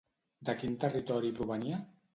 De quin territori provenia?